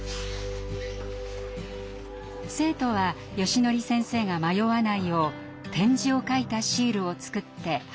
生徒はよしのり先生が迷わないよう点字を書いたシールを作って貼っていきました。